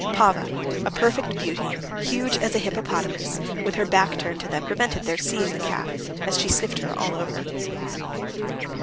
Pava, a perfect beauty, huge as a hippopotamus, with her back turned to them, prevented their seeing the calf, as she sniffed her all over.